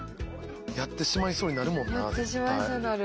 やってしまいそうになる。